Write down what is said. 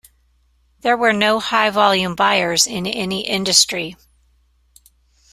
There were no high volume buyers in any industry.